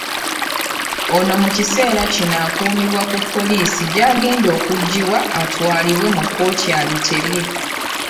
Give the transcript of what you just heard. Ono mukiseera kino akuumibwa ku Poliisi gy'agenda okugyibwa atwalibwe mu kkooti abitebye.